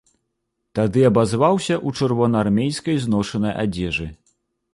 Тады абазваўся ў чырвонаармейскай зношанай адзежы.